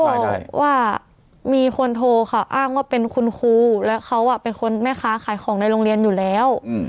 ว่ามีคนโทรค่ะอ้างว่าเป็นคุณครูและเขาเป็นคนแม่ค้าขายของในโรงเรียนอยู่แล้ว